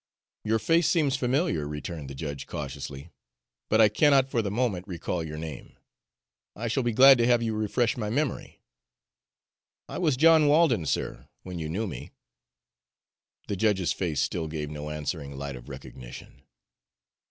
"Your face seems familiar," returned the judge cautiously, "but I cannot for the moment recall your name. I shall be glad to have you refresh my memory." "I was John Walden, sir, when you knew me." The judge's face still gave no answering light of recognition.